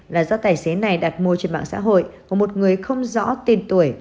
là do tài xế này đặt mua trên mạng xã hội của một người không rõ tên tuổi